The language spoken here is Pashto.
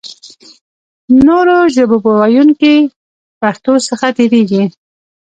نورو ژبو ویونکي پښتو څخه تېرېږي.